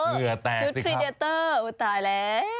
เหลือแตกสิครับชุดพรีเดเตอร์อุ๊ยตายแล้ว